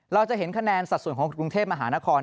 เราจะเห็นคะแนนสัดส่วนของกรุงเทพมหานคร